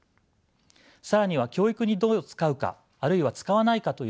更には教育にどう使うかあるいは使わないかという問題があります。